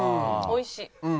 おいしい。